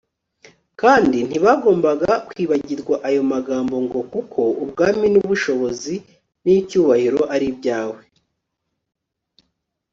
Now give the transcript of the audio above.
kandi ntibagombaga kwibagirwa aya magambo ngo kuko ubwami n'ubushobozi n'icyubahiro ari ibyawe